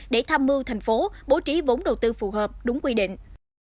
để tham mưu thành phố bố trí vốn đầu tư phù hợp đúng quy định